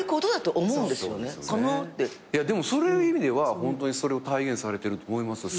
そういう意味ではホントにそれを体現されてると思いますよ。